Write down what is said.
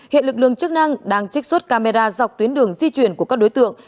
hiện lực lượng chức năng đang trích xuất camera dọc tuyến đường di chuyển của các đối tượng